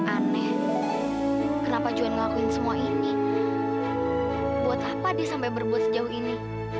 aneh kenapa join ngelakuin semua ini buat apa dia sampai berbuat sejauh ini